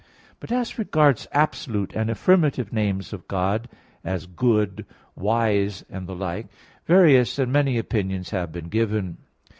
But as regards absolute and affirmative names of God, as "good," "wise," and the like, various and many opinions have been given.